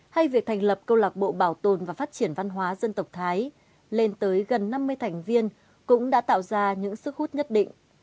hay việc thành lập câu lạc bộ bảo tồn và phát triển văn hóa dân tộc thái lên tới gần năm mươi thành viên cũng đã tạo ra những sức hút nhất định